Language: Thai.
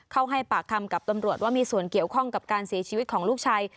ให้ปากคำกับตำรวจว่ามีส่วนเกี่ยวข้องกับการเสียชีวิตของลูกชาย